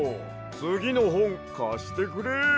つぎのほんかしてくれ！